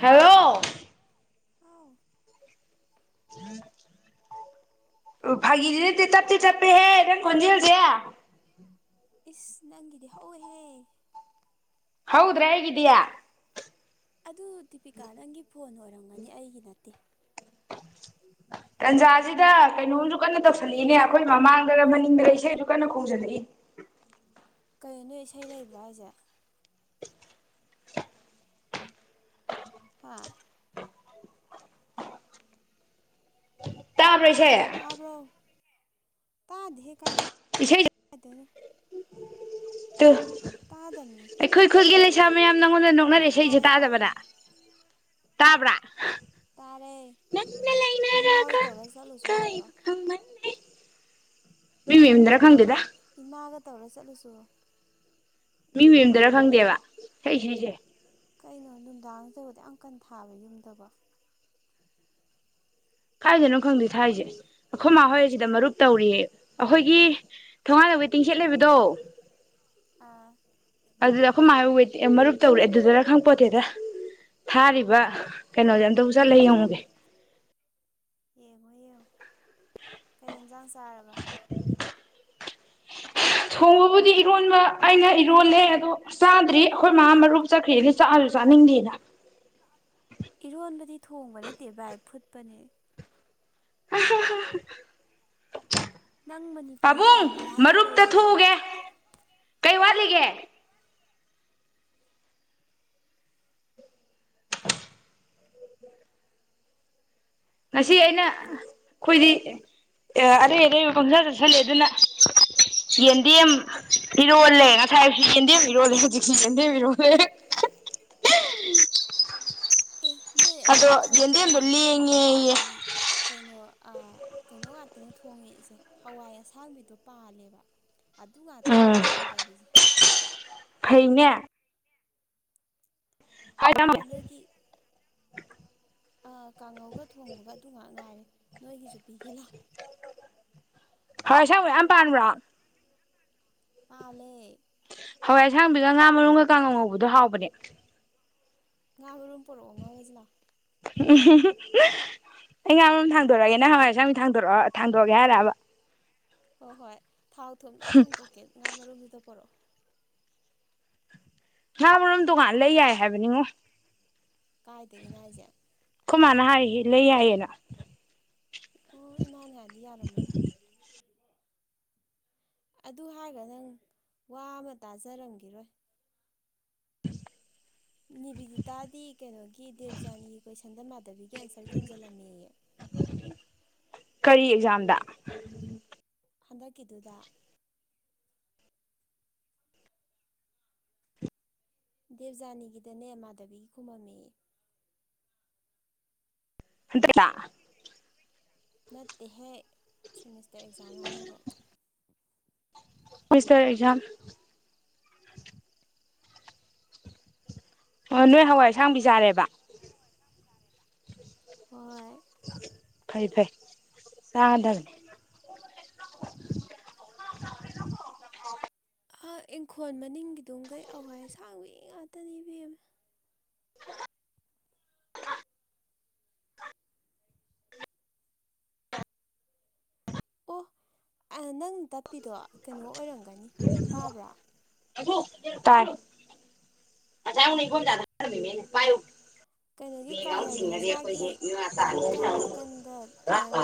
Hello ꯑꯥꯎ ꯎꯝ ꯑꯣ ꯐꯒꯤꯗꯤꯗꯤꯗꯤ ꯇꯞꯇꯦ ꯇꯞꯦꯍꯦ ꯅꯪ ꯈꯣꯟꯟꯖꯤ ꯍꯧꯁꯦ ꯏꯁ ꯅꯪꯒꯤꯗꯤ ꯍꯧꯋꯏꯦꯍꯦ ꯍꯗ꯭ꯔꯥ ꯍꯦꯒꯗꯌꯥ ꯑꯗꯨ ꯗꯤꯄꯤꯀꯥ ꯅꯪꯒꯤ ꯐꯣꯟ ꯑꯣꯏꯔꯝꯒꯅꯤ ꯑꯩꯒꯤ ꯅꯠꯇꯦ ꯇꯟꯖꯥꯁꯤꯗ ꯀꯩꯅꯣꯝꯁꯨ ꯀꯟꯅ ꯇꯧꯁꯜꯂꯛꯏꯅꯦ ꯑꯩꯈꯣꯏ ꯃꯃꯥꯡꯗ ꯃꯅꯤꯡꯗ ꯏꯁꯩꯁꯨ ꯀꯟꯅ ꯈꯣꯡꯖꯜꯂꯛꯏ [inaudible] ꯀꯩꯅꯣ ꯅꯣ ꯏꯁꯩ ꯂꯩꯕ꯭ꯔꯥ ꯍꯥꯏꯁꯦ ꯍꯥ ꯄꯩꯁꯦ ꯇꯥꯗꯦ ꯏꯁꯩ ꯀꯥꯏꯅꯣ ꯇꯥꯗꯕꯅꯤ ꯑꯩꯈꯣꯏ ꯈꯨꯜꯒꯦ ꯁꯃꯦ ꯁ ꯅꯪꯉꯣꯟꯗ ꯑꯣ ꯅꯣꯛꯅꯔꯛꯑꯦ ꯏꯁꯩꯁꯦ ꯇꯥꯔꯦ ꯇꯥꯔꯦ ꯇꯥꯗꯕꯅ ꯇꯥꯕ꯭ꯔꯥ ꯇꯥꯔꯦ ꯏꯃꯥ ꯍꯣꯏ ꯇꯧꯔ ꯆꯠꯂꯨꯁꯨ ꯌꯥꯗ꯭ꯔꯣ ꯃꯤ ꯃꯃꯗ꯭ꯔ ꯈꯪꯒꯦꯗ ꯏꯃꯥꯒ ꯇꯧꯔ ꯆꯠꯂꯨꯁꯨ ꯃꯤ ꯃꯨꯝꯗꯔ ꯐꯪꯗꯦꯕ ꯁꯛ ꯁꯤꯁꯦ ꯀꯩꯅꯣ ꯅꯨꯡꯗꯥꯡ ꯇꯧꯕꯗꯤ ꯌꯥꯝ ꯀꯟ ꯊꯥꯕ ꯌꯨꯝꯗꯕꯣ ꯀꯥꯏꯗꯅꯣ ꯈꯪꯗꯣꯏ ꯊꯥꯏꯁꯦ ꯑꯩꯈꯣꯏ ꯃꯥ ꯍꯣꯏꯁꯤꯗ ꯃꯔꯨꯞ ꯇꯧꯔꯤꯌꯦ ꯑꯩꯈꯣꯏꯒꯤ ꯊꯣ ꯋꯇꯤꯡ ꯁꯦꯠꯂꯦꯕꯤꯗꯣ ꯑ ꯑꯗꯨꯗ ꯑꯩꯈꯣꯏ ꯃꯥ ꯃꯔꯨꯞ ꯇꯧꯔꯦ ꯑꯗꯨꯗꯨꯔ ꯈꯪꯄꯣꯠꯇꯦꯗ ꯊꯥꯔꯤꯕ ꯀꯩꯅꯣꯁꯦ ꯑꯝꯇꯕꯨ ꯆꯠꯂꯦ ꯌꯦꯡꯉꯨꯁꯦ ꯌꯦꯡꯉꯣ ꯌꯦꯡꯉꯣ ꯀꯩ ꯌꯦꯟꯁꯥꯡ ꯆꯥꯔꯕ ꯊꯣꯡꯕꯕꯨꯗꯤ ꯏꯔꯣꯟꯕ ꯑꯩꯅ ꯏꯔꯣꯜꯂꯦ ꯑꯗꯣ ꯆꯥꯗ꯭ꯔꯤ ꯑꯩꯈꯣꯏ ꯃꯥ ꯃꯔꯨꯞ ꯆꯠꯈ꯭ꯔꯦꯅ ꯆꯥ ꯔꯅꯤꯡꯗꯤꯅ ꯏꯔꯣꯟꯕꯗꯤ ꯊꯣꯡꯕ ꯅꯠꯇꯦ ꯚꯥꯏ ꯐꯨꯠꯄꯅꯦ ꯅꯪ [inaudible] ꯃꯅꯤꯄꯨꯔꯤ ꯄꯥꯕꯨꯡ ꯇꯝꯃꯦ ꯍꯥꯏꯔꯒ ꯃꯔꯨꯞꯇ ꯌꯥꯗ꯭ꯔꯦ ꯊꯣꯛꯎꯒꯦ ꯀꯩ ꯋꯥ ꯒ [inaudible] ꯉꯁꯤ ꯑꯩꯅ ꯑꯩꯈꯣꯏꯗꯤ ꯑꯦ ꯑꯔꯩ ꯑꯔꯩ ꯄꯪꯖꯥ ꯆꯠꯁꯜꯂꯦ ꯑꯗꯨꯅ ꯌꯦꯟꯗꯦꯝ ꯏꯔꯣꯜꯂꯦ ꯉꯁꯥꯏꯕꯁꯤ ꯌꯦꯟꯗꯦꯝ ꯏꯔꯣꯜꯂꯦ ꯍꯧꯖꯤꯛꯤ ꯌꯦꯟꯗꯦꯝ ꯏꯔꯣꯜꯂꯦꯦ ꯑ ꯑꯦ ꯅꯣꯏ ꯑꯗꯣ ꯑꯗꯨꯗꯤ ꯈꯔ ꯌꯦꯟꯗꯦꯝꯗꯣ ꯐꯔꯤꯕ ꯕꯦꯝꯃ ꯂꯦꯡꯉꯦꯌꯦ ꯑꯩꯈꯣꯏꯗꯤ ꯀꯩꯅꯣ ꯀꯩꯅꯣ ꯉꯇꯅꯦ ꯊꯣꯡꯉꯦꯏꯁꯦ ꯍꯋꯥꯏ ꯑꯁꯥꯡꯕꯤꯗꯣ ꯄꯥꯜꯂꯦꯕ ꯑꯗꯨ ꯉꯥꯛꯇꯅꯤ ꯎꯝ ꯍꯧꯖꯤꯛ ꯊꯣꯡꯗꯔꯤꯁꯦ ꯐꯩꯅꯦ ꯉꯍꯟ ꯅꯣꯏꯒꯤ ꯀꯥꯡꯉꯧꯒ ꯊꯣꯡꯕꯒ ꯑꯗꯨ ꯉꯛ ꯉꯥꯏꯔꯦ ꯅꯣꯏꯒꯤꯁꯨ ꯄꯤꯒꯦ ꯂꯥꯎ ꯍꯣꯏ ꯑꯁꯦꯡꯕꯩ ꯃꯌꯥꯝ ꯄꯟꯕꯔꯣ ꯄꯥꯜꯂꯦ ꯍꯋꯥꯏ ꯑꯁꯥꯡꯕꯤꯒ ꯉꯥ ꯃꯔꯨꯝꯒ ꯀꯥꯡꯉꯧ ꯉꯧꯕꯗꯣ ꯍꯥꯎꯕꯅꯦ ꯉꯥ ꯃꯔꯨꯝ ꯄꯨꯔꯛꯑꯣ ꯉꯧꯔꯥꯁꯤ ꯂꯥꯎ ꯎꯝ ꯑꯩ ꯉꯥ ꯃꯔꯨꯝ ꯊꯥꯡꯗꯣꯔꯛꯑꯦꯒꯦ ꯅꯪ ꯍꯥꯋꯥꯏ ꯑꯁꯥꯡꯕꯤ ꯊꯥꯡꯗꯣꯔꯛꯑꯣ ꯊꯪꯗꯣꯛ ꯑꯒꯦ ꯍꯥꯏꯔꯕ ꯍꯣꯏ ꯍꯣꯏ ꯊꯥꯎ ꯊꯨꯝ ꯂꯣꯏ ꯊꯥꯡꯇꯣꯛꯀꯦ ꯉꯥ ꯃꯔꯨꯝꯗꯨꯗ ꯄꯨꯔꯛꯑꯣ ꯉꯥ ꯃꯔꯣꯝ ꯇꯣꯉꯥꯟꯅ ꯂꯩ ꯌꯥꯏ ꯍꯥꯏꯕꯅꯤꯍꯦ ꯀꯥꯏꯗꯒꯤꯅꯣ ꯍꯥꯏꯁꯦ ꯑꯩꯈꯣꯏ ꯃꯥꯅ ꯍꯥꯏꯌꯦ ꯂꯩ ꯌꯥꯏꯌꯦꯅ ꯑꯣ ꯏꯃꯥꯅꯥ ꯍꯥꯏꯗꯤ ꯌꯥꯔꯝꯃꯅꯤ ꯑꯗꯨ ꯍꯥꯏꯔꯒ ꯅꯪ ꯋꯥ ꯑꯃ ꯇꯥꯖꯔꯝꯈꯤꯔꯣꯏ ꯅꯤꯕꯤꯗꯤꯇꯥꯗꯤ ꯀꯩꯅꯣꯒꯤ ꯗꯦꯕꯖꯥꯅꯤꯒꯤ ꯀꯣꯏꯁꯟꯗ ꯃꯥꯙꯕꯤꯒꯤ ꯑꯟꯁꯔ ꯈꯣꯨꯝꯖꯤꯜꯂꯝꯃꯤꯑ ꯗ [inaudible] ꯀꯔꯤ ꯑꯦꯛꯖꯥꯝꯗ ꯍꯟꯗꯛꯀꯤꯗꯨꯗ ꯗꯦꯕꯖꯥꯅꯤꯒꯤꯗꯅꯦ ꯃꯥꯙꯕꯤꯒꯤ ꯈꯨꯃꯝꯃꯦꯌꯦ ꯍꯟꯗꯛꯂꯥ ꯅꯠꯇꯦꯍꯦ ꯁꯦꯃꯤꯁꯇꯔ ꯑꯦꯛꯖꯥꯝ ꯍꯥꯏꯔꯒ ꯁꯦꯃꯤꯁꯇꯔ ꯑꯦꯛꯖꯝ ꯑꯣ ꯅꯣꯏ ꯍꯋꯥꯏ ꯑꯁꯥꯡꯕꯤ ꯆꯥꯔꯦꯕ ꯍꯣꯏ ꯐꯩ ꯐꯩ ꯆꯥꯗꯕꯅꯤ ꯚ [inaudible] ꯏꯪꯈꯣꯜ ꯃꯅꯤꯡꯒꯤ ꯗꯨꯒꯩ ꯍꯋꯥꯏ ꯑꯥꯁꯥꯡꯕꯤ ꯉꯥꯛꯇꯅꯤ ꯏꯕꯦꯝꯃꯥ ꯑꯣ ꯅꯪ ꯇꯞꯄꯤꯗꯣ ꯀꯩꯅꯣ ꯑꯣꯏꯔꯝꯒꯅꯤ ꯇꯥꯕ꯭ꯔꯥ ꯇꯥꯏ [unintelligible] ꯀꯩꯅꯣꯒꯤ ꯀꯥꯌꯥꯒꯤ ꯃꯁꯥꯒꯤ ꯅꯥꯀꯟ ꯅꯥꯀꯟꯗ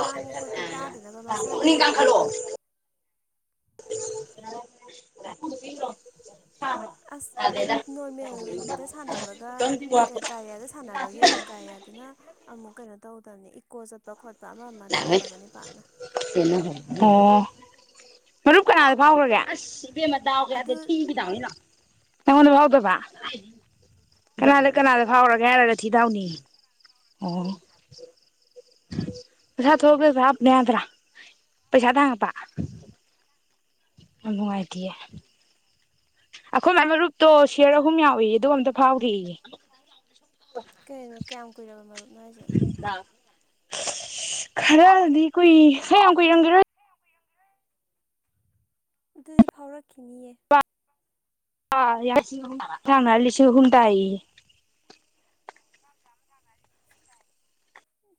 ꯂꯥꯡꯕ ꯈꯣꯠꯄ ꯇꯥ ꯆꯥꯗꯅꯕ ꯃꯁꯥꯒꯤ ꯍꯥꯞꯄꯤꯗꯅ ꯍꯤ [unintelligible] ꯑꯁ ꯅꯣꯔꯃꯦꯜꯗ ꯁꯥꯟꯅꯕꯒ ꯀꯥꯔꯤꯌꯥꯗ ꯁꯥꯟꯅꯕꯒ ꯌꯦꯡꯉꯣ ꯀꯥꯔꯤꯌꯥꯗ ꯑꯗꯨꯅ ꯑꯃꯨꯛ ꯀꯩꯅꯣ ꯇꯧꯗꯕꯅꯤ ꯏꯀꯣ ꯆꯠꯄ ꯈꯣꯠꯄ ꯑꯃ ꯑꯃ ꯇꯧꯗꯕꯅꯤ ꯄꯥꯛꯅ ꯑꯣ ꯃꯔꯨꯞ ꯀꯅꯥꯗ ꯐꯥꯎꯈ꯭ꯔꯒꯦ ꯑꯁ ꯏꯕꯦꯝꯃꯥ ꯗꯥꯎꯒꯥ ꯑꯗꯨ ꯌꯥꯗꯦ ꯊꯤ ꯒꯤ ꯗꯥꯎꯅꯦ ꯂꯥꯎ ꯑꯩꯉꯣꯟꯗꯥ ꯌꯥꯎꯗꯕꯥ ꯀꯅꯥꯗ ꯀꯅꯥꯗ ꯐꯥꯎꯔꯒꯦ ꯍꯥꯏꯔꯒ ꯊꯤꯗꯥꯎꯅꯤ ꯑꯣ ꯄꯩꯁꯥꯠ ꯍꯦꯁ ꯍꯥꯞꯅꯦꯗ꯭ꯔ ꯄꯩꯁꯥꯗꯉꯄꯥ ꯌꯥꯝ ꯅꯨꯡꯉꯥꯏꯇꯤꯌꯦ ꯑꯩꯈꯣꯏ ꯃꯥꯏ ꯃꯔꯨꯞꯇꯣ ꯁꯤꯌꯔ ꯑꯍꯨꯝ ꯌꯥꯎꯏꯌꯦ ꯑꯗꯨꯒ ꯑꯝꯇ ꯐꯥꯎꯗꯦꯌꯦ ꯀꯩꯅꯣ ꯀꯌꯥꯝ ꯀꯨꯔ ꯃꯥꯔ ꯈꯔꯗꯤ ꯀꯨꯏ ꯌꯥꯝ ꯀꯨꯏꯔꯝꯈꯤꯔꯣꯏ ꯑꯗꯨꯗꯤ ꯐꯥꯎꯔꯛꯈꯤꯅꯤꯌꯦ ꯑꯩ ꯂꯤꯁꯤꯡ ꯑꯍꯨꯝ ꯇꯥꯏꯌꯦꯌꯦ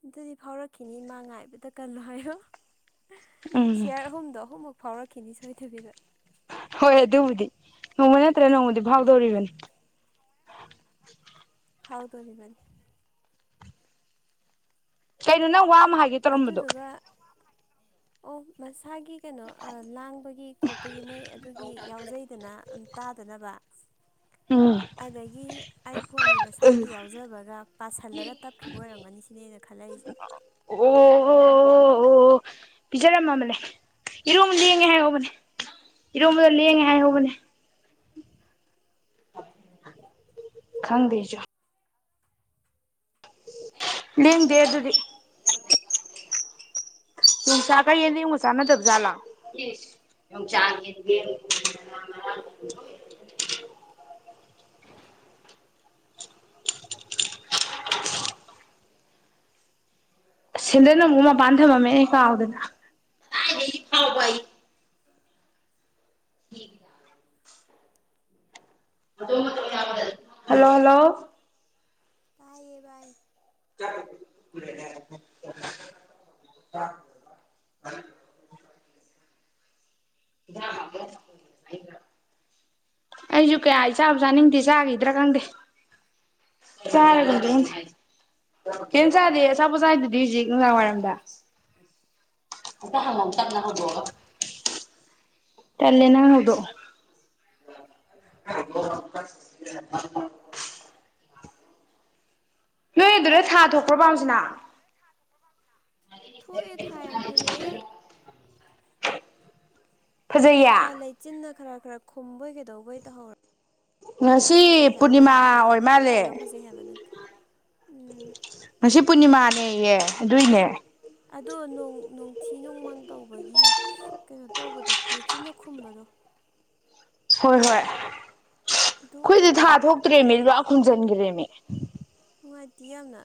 ꯑꯗꯨꯗꯤ ꯐꯥꯎꯔꯛꯈꯤꯅꯤ ꯏꯃꯥ ꯉꯥꯏꯕꯇꯥ ꯀꯜꯂꯣ ꯍꯥꯏꯌꯣ ꯎꯝ ꯁꯤꯌꯥꯔ ꯑꯍꯨꯝꯗꯣ ꯑꯍꯨꯝꯃꯨꯛ ꯐꯥꯎꯔꯛꯈꯤꯅꯤ ꯁꯣꯏꯗꯕꯤꯗ ꯍꯣꯏ꯫ ꯑꯗꯨꯕꯨꯗꯤ ꯅꯣꯡꯃ ꯅꯦꯠꯇ꯭ꯔꯒꯥ ꯅꯣꯡꯃꯗꯤ ꯐꯥꯎꯗꯧꯔꯤꯕꯅꯤ ꯐꯥꯎ ꯇꯣ ꯂꯩꯕꯅꯤ ꯀꯩꯅꯣ ꯅꯪ ꯋꯥ ꯑꯃ ꯍꯥꯏꯒꯦ ꯇꯧꯔꯝꯕꯗꯣ ꯑꯗꯨꯗꯨꯒ ꯑꯣ ꯁ ꯊꯥꯒꯤ ꯀꯩꯅꯣ ꯂꯥꯡꯕꯒꯤ ꯈꯣꯠꯄꯒꯤ ꯃꯣꯏ ꯑꯗꯨꯒꯤ ꯌꯥꯎꯖꯩꯗꯅ ꯇꯥꯗꯅꯕ ꯎꯝ ꯑꯗꯒꯤ ꯑꯩ ꯐꯣꯟꯒꯤ ꯃꯁꯥꯒꯤ ꯌꯥꯎꯖꯕꯒ ꯄꯥꯁꯜꯂꯒ ꯇꯞꯈꯤꯕ ꯑꯣꯏꯔꯝꯒꯅꯤ ꯁꯤꯅꯦꯅ ꯈꯜꯂꯛꯏꯁꯦ ꯄꯤꯖꯔꯝꯃꯕꯂꯦ ꯏꯔꯣ ꯌꯦꯡꯉꯦ ꯍꯥꯏꯔꯧꯕꯅꯦ ꯏꯔꯣꯜ ꯌꯦꯡꯉꯦ ꯍꯥꯏ ꯍꯣꯕꯅꯦ ꯈꯪꯗꯦꯖꯣ ꯂꯝ ꯗꯦ ꯑꯗꯨꯗꯤ ꯇꯨꯆꯥ ꯀ ꯌꯦ ꯃꯁꯅ ꯙꯕꯖꯂ ꯆ ꯌꯦ [inaudible] ꯁꯦꯟꯗ ꯑꯃꯨꯛ ꯃꯄꯥꯟ ꯊꯝꯃꯝꯃꯦ ꯀꯥꯎꯗꯅ ꯍꯜꯂꯣ ꯍꯜꯂꯣ ꯇꯥꯏꯌꯦ ꯕꯥꯏ [unintelligible] [inaudible] ꯑ ꯑꯩꯁꯨ ꯀꯌꯥ ꯏꯆꯥꯕꯨ ꯆꯥꯅꯤꯡꯗꯦ ꯆꯥꯈꯤꯗ꯭ꯔꯥ ꯈꯪꯗꯦ ꯆꯔ ꯈꯨꯟꯗ ꯀ ꯆꯗꯦ ꯑꯆꯥꯥꯄꯣꯁꯥꯗꯨꯗꯤ ꯍꯧꯖꯤꯛ ꯅꯨꯡꯗꯥꯡ ꯋꯥꯏꯔꯝꯗ ꯑ ꯀ ꯍ ꯉ ꯇꯅ ꯍꯕꯣ ꯇꯂꯅ ꯎꯗꯣ [unintelligible] ꯅꯣꯏ ꯑꯗꯨꯗ ꯊꯥ ꯊꯣꯛꯈ꯭ꯔꯣ ꯄꯥꯎꯁꯤꯅ ꯊꯣꯛꯑꯦ ꯊꯥ ꯌꯥꯝ ꯐꯖꯩꯌꯦ ꯐꯖꯩꯌꯦ ꯑꯥ ꯂꯩꯆꯤꯟꯅ ꯈꯔ ꯈꯔ ꯈꯨꯝꯕꯣꯏ ꯀꯗꯧꯕꯩ ꯇꯧꯍꯧꯔ ꯇꯧꯔꯒ ꯉꯁꯤ ꯍꯥꯏꯊꯩ ꯍꯥꯏꯕ ꯄꯨꯔꯅꯤꯃꯥ ꯊꯥꯗꯣ ꯑꯣꯏ ꯂꯪ ꯇ꯭ꯔꯤꯛ ꯃꯥꯜꯂꯦ ꯂꯪꯒ ꯐꯖꯩ ꯍꯥꯏꯕ ꯅꯠꯇꯦ ꯎ ꯉꯁꯤ ꯄꯨꯔꯅꯤꯃꯥꯅꯦꯌꯦ ꯑꯗꯨꯏꯅꯦ ꯑꯗꯣꯣꯡ ꯅꯣꯡꯊꯤ ꯅꯣꯡꯃꯪ ꯇꯧꯕꯒꯤ ꯀꯩꯅꯣ ꯇꯧꯕꯗꯣ ꯂꯩꯆꯤꯟꯅ ꯈꯨꯝꯕꯗꯣ [inaudible] ꯍꯣꯏ ꯍꯣꯏ ꯑꯗꯨ ꯑꯩꯈꯣꯏꯗꯤ ꯊꯥ ꯑꯣꯏꯕꯅꯦꯕ ꯊꯣꯛꯇ꯭ꯔꯦꯃꯤ ꯂꯨꯄꯥꯥꯛ ꯈꯣꯡꯖꯤꯟꯒꯤꯔꯦꯃꯤ ꯅꯨꯡꯉꯥꯏꯇꯦ ꯌꯥꯝꯅ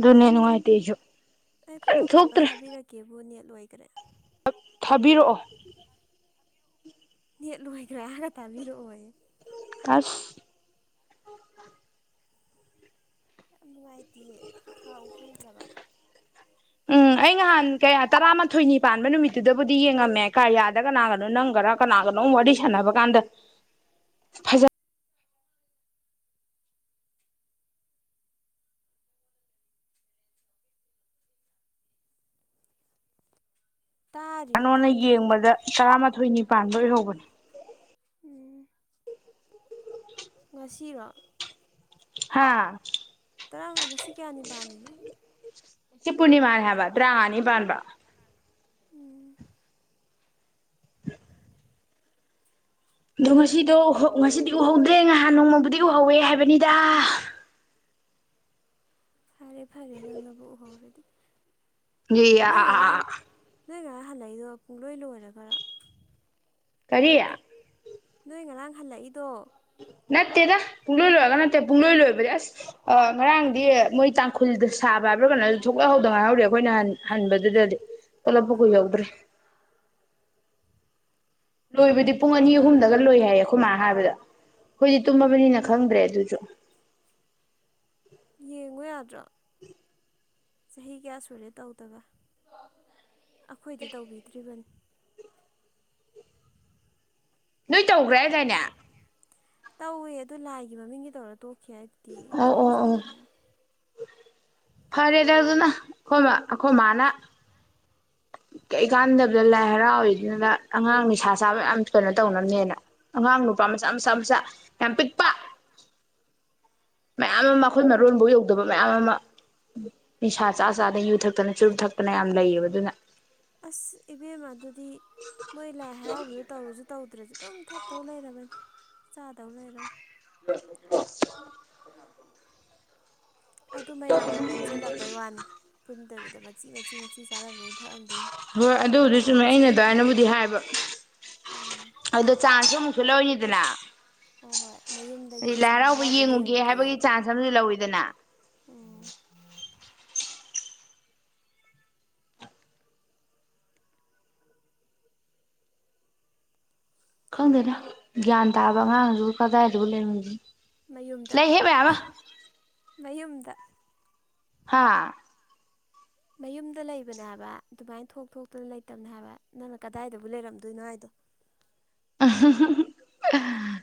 ꯅꯤꯅꯅꯨꯡꯉꯥꯏ ꯇꯁꯨ ꯑꯩ ꯐꯣꯇꯣ ꯀꯥꯞꯄ ꯊꯥꯕꯤꯔꯛꯀꯦꯕꯨ ꯅꯦꯠ ꯂꯣꯏꯈ꯭ꯔꯦ ꯊꯥꯕꯤꯔꯛꯑꯣ ꯌꯦꯠꯂꯣꯏꯈ꯭ꯔꯦ ꯍꯥꯏꯔ ꯇꯥꯕꯤꯔꯛꯑꯣ ꯑꯥꯁ ꯌꯥꯝ ꯅꯨꯡꯉꯥꯏꯇꯦꯌꯦ ꯊꯥ ꯎ ꯐꯪꯗ꯭ꯔꯕ ꯎꯝ [inaudible] ꯑꯩ ꯅꯍꯥꯟ ꯀꯌꯥ ꯇꯔꯥꯃꯥꯊꯣꯏꯅꯤ ꯄꯥꯟꯕ ꯅꯨꯃꯤꯠꯇꯨꯗꯕꯨꯗꯤ ꯌꯦꯡꯉꯝꯃꯦ ꯀꯥꯏ ꯌꯥꯗ ꯀꯅꯥꯒꯅꯣ ꯅꯪꯒꯔꯥ ꯀꯅꯥꯒꯅꯣ ꯋꯥꯔꯤ ꯁꯥꯟꯅꯕ ꯀꯥꯟꯗ ꯐꯖ ꯇꯥꯔꯤꯔꯣ ꯀꯅꯣꯅ ꯇꯥꯗ꯭ꯔꯤꯔꯣ ꯌꯦꯡꯕꯗ ꯇꯔꯥꯃꯥꯊꯣꯏꯅꯤ ꯄꯥꯟꯕ ꯑꯣꯏꯍꯧꯕꯅꯤ ꯎꯝ ꯉꯁꯤꯔꯣ ꯍꯥꯥ ꯇꯔꯥꯃꯒꯁꯤ ꯀꯌꯥꯅꯤ ꯄꯥꯜꯂꯤꯅꯣ ꯄꯨꯅꯤꯃꯥꯅ ꯍꯥꯏꯕ ꯄ꯭ꯔꯥꯅꯤ ꯄꯥꯟꯕꯥꯟꯕ ꯎꯝ [inaudible] ꯑꯣ ꯉꯁꯤꯗꯣ ꯉꯁꯤꯗꯤ ꯎꯍꯧꯗ꯭ꯔꯦ ꯉꯍꯥꯟ ꯅꯣꯡꯃꯕꯨꯗꯤ ꯎꯍꯧꯋꯦ ꯍꯥꯏꯕꯅꯤꯗ [inaudible] ꯐꯔꯦ ꯐꯔꯦ ꯅꯪꯕꯨ ꯎꯍꯧꯔꯗꯤ ꯑ ꯅꯣꯏ ꯉꯔꯥꯡ ꯑꯥ ꯅꯣꯏ ꯉꯔ ꯍꯜꯂꯛꯏꯗꯣ ꯄꯨꯡꯂꯣꯏ ꯂꯣꯏꯔꯦ ꯈꯔ ꯀꯔꯤ ꯅꯣꯏ ꯉꯔꯥꯡ ꯍꯜꯂꯛꯏꯗꯣ ꯅꯠꯇꯦꯗ ꯄꯨꯡꯂꯣꯏ ꯂꯣꯏꯛꯒ ꯅꯠꯇꯦ ꯄꯨꯡꯂꯣꯏ ꯂꯣꯏꯕꯗꯤ ꯑꯁ ꯉꯔꯥꯡꯗꯤ ꯃꯣꯏ ꯇꯥꯡꯈꯨꯜꯗ ꯁꯥꯕ ꯥꯏꯕ꯭ꯔ ꯀꯩꯅꯣ ꯊꯣꯛꯂꯛꯍꯧꯗ ꯉꯥꯏꯍꯧꯔꯤ ꯑꯩꯈꯣꯏꯅ ꯍꯟꯕꯗꯨꯗꯗꯤ ꯄꯨꯂꯞꯄꯥꯎ ꯀ ꯌꯧꯗ꯭ꯔꯦ [inaudible] ꯂꯣꯏꯕꯗꯤ ꯄꯨꯡ ꯑꯅꯤ ꯑꯍꯨꯝꯗꯒ ꯂꯣꯏ ꯍꯥꯏꯌꯦ ꯑꯩꯈꯣꯏ ꯃꯥ ꯍꯥꯏꯕꯗ ꯍꯣꯏꯗꯤ ꯇꯨꯝꯃꯕꯅꯤꯅ ꯈꯪꯗ꯭ꯔꯦ ꯑꯗꯨꯁꯨ ꯌꯦꯡꯉꯨ ꯌꯥꯗ꯭ꯔꯥ ꯆꯍꯤ ꯀꯌꯥ ꯁꯨꯔꯦ ꯇꯧꯗꯕ ꯑꯩꯈꯣꯏꯗꯤ ꯇꯧꯕꯤꯗ꯭ꯔꯤꯕꯅꯤ ꯅꯣꯏ ꯇꯧꯈ꯭ꯔꯦ ꯍꯥꯏ ꯀꯥꯏꯅꯦ ꯇꯧꯏꯦ ꯑꯗꯨ ꯂꯥꯏꯒꯤ ꯃꯃꯤꯡꯒꯤ ꯇꯧꯔ ꯇꯣꯛꯈꯤ ꯍꯥꯏꯗꯤ ꯑꯣ ꯖꯒꯣꯏ ꯑꯣ ꯑꯣ ꯁꯥꯟꯅꯗꯦ ꯐꯔꯦꯗ ꯑꯗꯨꯅ ꯑꯩꯈꯣꯏ ꯑꯩꯈꯣꯏ ꯃꯥꯅ [inaudible] ꯀꯩꯀꯥꯟꯗꯕꯗ ꯂꯥꯏ ꯍꯔꯥꯎꯔꯤꯗꯨꯅ ꯑꯉꯥꯡ ꯅꯤꯁꯥ ꯁꯥꯕ ꯌꯥꯝ ꯀꯩꯅꯣ ꯇꯧꯅꯕꯅꯦꯅ ꯑꯉꯥꯡ ꯅꯨꯄꯥ ꯃꯆꯥ ꯃꯆꯥ ꯃꯆꯥ ꯌꯥꯝ ꯄꯤꯛꯄ [inaudible] ꯃꯌꯥꯝ ꯑꯃ ꯑꯩꯈꯣꯏ ꯃꯔꯣꯟꯐꯧ ꯌꯧꯗꯕ ꯃꯌꯥꯝ ꯑꯃ ꯅꯤꯁꯥ ꯆꯥ ꯆꯥꯗꯅ ꯌꯨ ꯊꯛꯇꯅ ꯆꯨꯔꯨꯞ ꯊꯛꯇꯅ ꯌꯥꯝ ꯂꯩꯌꯦꯕ ꯑꯗꯨꯅ ꯑꯁ ꯏꯕꯦꯝ ꯑꯗꯨꯗꯤ ꯃꯣꯏ ꯂꯥꯏ ꯍꯔꯥꯎꯕꯗꯣ ꯇꯧꯔꯁꯨ ꯇꯧꯗ꯭ꯔꯁꯨ ꯑꯗꯨꯝ ꯊꯛꯇꯧ ꯂꯩꯔꯕꯅꯤ ꯆꯥꯗꯧ ꯂꯩꯔꯕ ꯑ ꯑꯗꯨ ꯃꯌꯥꯝꯗꯨ ꯄꯨꯟꯁꯤꯜꯂꯛꯄꯩ ꯋꯥꯅꯤ ꯄꯨꯟꯗꯕꯤꯗ ꯃꯆꯤ ꯃꯆꯤ ꯃꯆꯤ ꯆꯥꯔꯝꯗꯣꯏ ꯍꯣꯏ ꯑꯗꯨꯕꯨꯗꯨ ꯆꯨꯝꯃꯦ ꯑꯩꯅ ꯑꯗꯨꯃꯏꯅꯕꯨꯗꯤ ꯍꯥꯏꯕ ꯎꯝ ꯑꯗꯨꯗꯣ ꯆꯥꯡꯁꯨ ꯑꯃꯨꯛꯁꯨ ꯂꯧꯅꯤꯗꯅ ꯍꯣꯏ ꯍꯣꯏ ꯃꯌꯨꯝꯗꯒꯤ ꯏꯁꯂꯥꯏ ꯍꯔꯥꯎꯕ ꯌꯦꯡꯉꯨꯒꯦꯅ ꯑꯗꯨꯗꯅ ꯑꯦ ꯈꯪꯗꯦꯅ ꯒ꯭ꯌꯥꯟ ꯇꯥꯕ ꯑꯉꯥꯡꯁꯨꯕꯨ ꯀꯗꯥꯏꯗꯨꯕꯨ ꯂꯩꯃꯤꯒꯦ ꯃꯌꯨꯝꯗ ꯃꯌꯨꯝꯗ ꯍꯥꯥ ꯃꯌꯨꯝꯗ ꯂꯩꯕꯅꯦ ꯍꯥꯏꯕ ꯑꯗꯨꯃꯥꯏꯅ ꯊꯣꯛ ꯊꯣꯛꯇꯅ ꯂꯩꯇꯕꯅꯦ ꯍꯥꯏꯕ ꯅꯪꯅ ꯀꯗꯥꯏꯗꯕꯨ ꯂꯩꯔꯝꯗꯣꯏꯅꯣ ꯍꯥꯏꯗꯣ [inaudible] ꯑ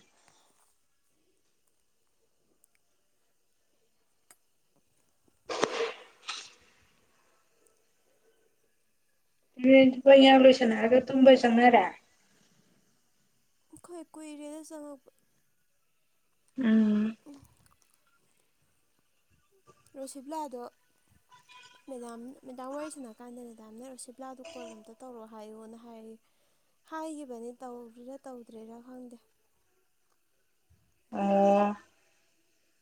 ꯌꯥ ꯂꯁꯅꯒ ꯇꯨꯝꯁꯪꯅꯔ ꯑꯩꯈꯣꯏ ꯀꯣꯏ ꯑꯦꯔꯤꯌꯥꯗ ꯆꯪꯉꯛꯄ ꯎꯝ ꯔꯣꯁꯤꯕꯂꯥꯗꯣ ꯃꯦꯗꯥꯝ ꯃꯦꯗꯥꯝ ꯋꯥꯔꯤ ꯁꯥꯟꯅꯀꯥꯟꯗ ꯃꯦꯗꯥꯝꯅ ꯔꯨꯁꯤꯞꯂꯥꯗꯨ ꯀꯣꯜ ꯑꯃꯝꯇ ꯇꯧꯔꯛꯑꯣ ꯍꯥꯏꯌꯣꯅ ꯍꯥꯏꯔꯤ ꯍꯥꯏꯈꯤꯕꯅꯤ ꯇ꯭ꯔꯥ ꯇꯧꯗ꯭ꯔꯦꯔꯥ ꯈꯪꯗꯦ ꯑꯣ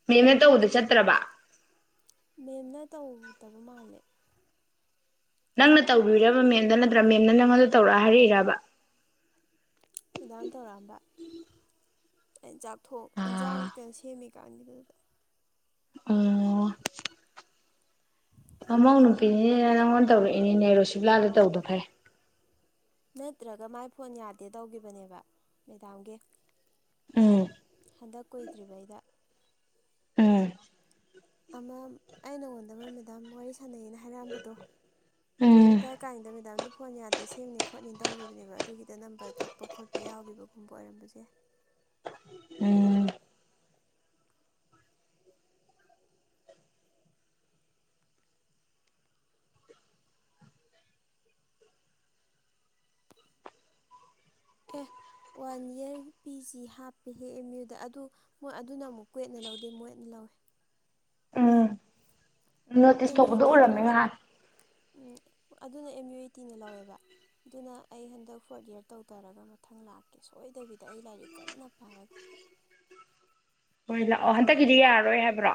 ꯃꯦꯝꯅ ꯇꯧꯕꯗ ꯆꯠꯇ꯭ꯔꯕ ꯃꯦꯝꯅ ꯇꯧꯗꯕ ꯃꯥꯜꯂꯦ ꯅꯪꯅ ꯇꯧꯕꯤꯔꯕ ꯃꯦꯝꯗ ꯅꯠꯇ꯭ꯔꯥ ꯃꯦꯝꯅ ꯅꯪꯣꯟꯗ ꯇꯧꯔꯛ ꯍꯥꯏꯔꯛꯏꯕ ꯗꯥꯝ ꯇꯧꯔꯛꯑꯝꯕ ꯆꯥꯛꯊꯣꯛ ꯌꯦꯟꯁꯥꯡ ꯑꯥ ꯀꯩꯅꯣ ꯁꯦꯝꯃꯤꯀꯥꯟꯒꯤꯗꯨꯗ ꯑꯣ ꯃꯃꯧ ꯅꯨꯄꯤꯅꯤꯅꯦꯅ ꯅꯪꯉꯣꯟꯗ ꯇꯧꯔꯛꯏꯅꯤꯅꯦ ꯔꯣꯁꯤꯕꯂꯥꯗ ꯇꯧꯗꯣ ꯐꯔꯦ ꯅꯠꯇ꯭ꯔꯒ ꯃꯥꯏ ꯐꯣꯟ ꯌꯥꯗꯦ ꯇꯧꯈꯤꯕꯅꯦꯕ ꯃꯦꯗꯥꯝꯒꯤ ꯎꯝ ꯍꯟꯗꯛ ꯀꯨꯏꯗ꯭ꯔꯤꯉꯩꯗ ꯎꯝ ꯑꯃ ꯑꯩ ꯅꯉꯣꯟꯗ ꯑꯃ ꯃꯦꯗꯥꯝ ꯋꯥꯔꯤ ꯁꯥꯟꯅꯩꯌꯦꯅ ꯍꯥꯏꯔꯛꯑꯝꯕꯗꯣ ꯎꯝ ꯑꯗꯨꯗꯥꯏ ꯀꯥꯏꯗꯕ ꯃꯦꯗꯥꯝꯗꯣ ꯐꯣꯟ ꯌꯥꯗꯦ ꯁꯦꯝꯅꯤ ꯈꯣꯠꯅꯤ ꯇꯧꯈꯤꯕꯅꯦꯕ ꯑꯗꯨꯒꯤꯗ ꯅꯝꯕꯔ ꯀꯛꯄ ꯈꯣꯠꯄ ꯌꯥꯎꯈꯤꯕꯕꯒꯨꯝꯕ ꯑꯣꯏꯔꯝꯕꯁꯦ [inaudible] ꯎꯝ ꯇꯦ ꯋꯥꯟ ꯏꯌꯥꯔ ꯄꯤ ꯖꯤ ꯍꯥꯞꯄꯦ ꯍꯦ ꯑꯦꯝ ꯌꯨꯗ ꯑꯗꯨ ꯃꯣꯏ ꯑꯗꯨꯅ ꯑꯃꯨꯛ ꯀꯋꯦꯠꯅ ꯂꯧꯗꯦ ꯃꯣꯏꯅ ꯍ ꯎꯝ ꯅꯣꯇꯤꯁ ꯑꯦꯝ ꯌꯨ ꯇꯧꯕꯗꯣ ꯇꯤꯅ ꯎꯔꯝꯃꯦ ꯂꯧꯋꯦ ꯉꯍ ꯎꯝ ꯑꯗꯨꯅ ꯑꯦꯝ ꯌꯨ ꯏꯇꯤꯅ ꯂꯧꯋꯦꯕ ꯑꯗꯨꯅ ꯑꯩ ꯍꯟꯗꯛ ꯐꯣꯔꯠ ꯏꯌꯥꯔ ꯇꯧꯊꯔꯒ ꯃꯊꯪ ꯂꯥꯛꯀꯦ ꯁꯣꯏꯗꯕꯤꯗ ꯑꯩ ꯂꯥꯏꯔꯤꯛ ꯀꯟꯅ ꯄꯥꯔꯒ [inaudible] ꯍꯣꯏ ꯂꯥꯛꯑꯣ ꯍꯟꯗꯛꯀꯤꯗꯤ ꯌꯥꯔꯔꯣꯏ ꯍꯥꯏꯕ꯭ꯔꯣ